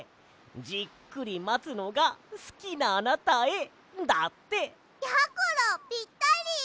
「じっくりまつのがすきなあなたへ」だって！やころぴったり！